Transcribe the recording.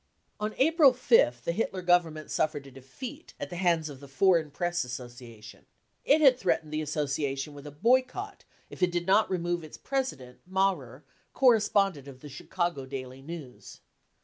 55 On April 5th the Hitler Government suffered a defeat at the hands of the Foreign Press Association. It had threatened the Association with a boycott if it did not remove its presi dent, Mawrer, correspondent of the Chicago Daily News